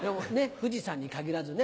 富士山に限らずね